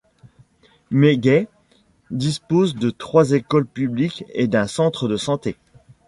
Maghait dispose de trois écoles publiques et d'un centre de santé.